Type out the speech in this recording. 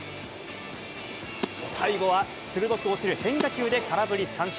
最後は鋭く落ちる変化球で空振り三振。